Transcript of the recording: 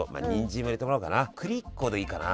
くり１個でいいかな。